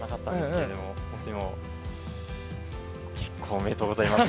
おめでとうございます。